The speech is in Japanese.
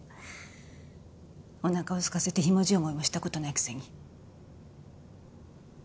おなかをすかせてひもじい思いもした事ないくせに。